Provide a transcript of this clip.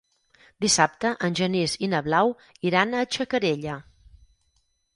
Dissabte en Genís i na Blau iran a Xacarella.